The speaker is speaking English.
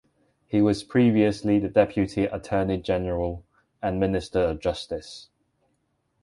He was previously the deputy Attorney General and Minister of Justice.